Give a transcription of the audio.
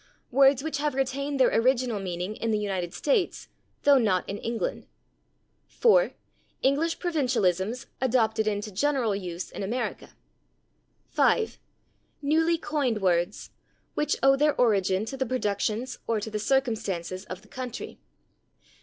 Words which have retained their original meaning in the United States, though not in England. 4. English provincialisms adopted into general use in America. 5. Newly coined words, which owe their origin to the productions or to the circumstances of the country.